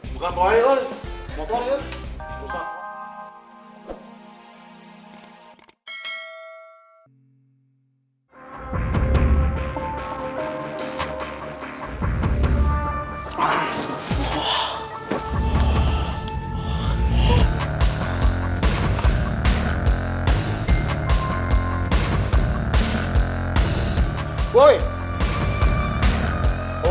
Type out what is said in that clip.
bukan toal lo motor ya